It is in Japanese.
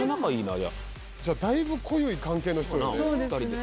じゃあだいぶ濃ゆい関係の人よね。